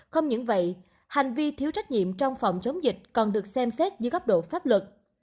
không những vậy hành vi thiếu trách nhiệm trong phòng chống dịch còn được xem xét dưới góc độ pháp luật